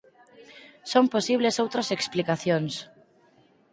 Son posibles outras explicacións.